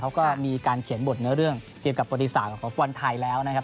เขาก็มีการเขียนบทเนื้อเรื่องเกี่ยวกับประวัติศาสตร์ของฟุตบอลไทยแล้วนะครับ